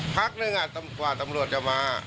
พักนึงกว่าตำรวจจะมา